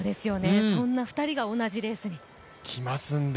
そんな２人が同じレースに。